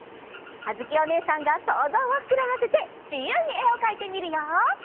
あづきおねえさんがそうぞうをふくらませてじゆうにえをかいてみるよ！